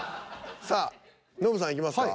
さあノブさんいきますか？